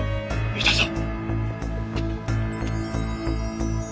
いたぞ！